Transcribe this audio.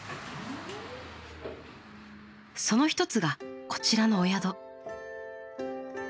その一つがこちらのお宿。